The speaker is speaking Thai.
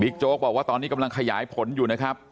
โจ๊กบอกว่าตอนนี้กำลังขยายผลอยู่นะครับ